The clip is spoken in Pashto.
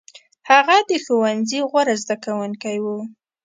هغه د ښوونځي غوره زده کوونکی و.